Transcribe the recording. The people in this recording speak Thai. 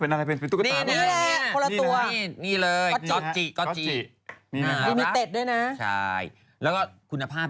เป็นอะไรเป็นเป็นตุ๊กตา